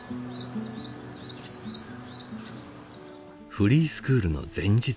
フリースクールの前日。